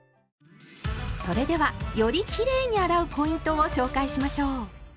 それではよりきれいに洗うポイントを紹介しましょう。